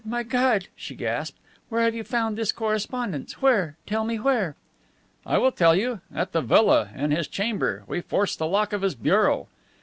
My God!" she gasped. "Where have you found this correspondence? Where? Tell me where!" "I will tell you. At the villa, in his chamber. We forced the lock of his bureau."